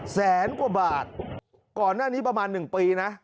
แสนกว่าบาทก่อนหน้านี้ประมาณ๑ปีนะ